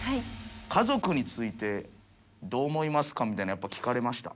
家族について、どう思いますかみたいなこと、やっぱ聞かれました？